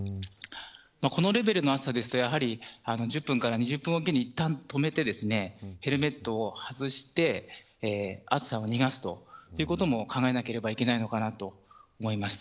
このレベルの暑さですと１０分から２０分おきにいったん止めてヘルメットを外して暑さを逃すということも考えなければいけないのかなと思いました。